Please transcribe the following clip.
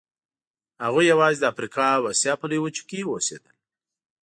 هغوی یواځې د افریقا او اسیا په لویو وچو کې اوسېدل.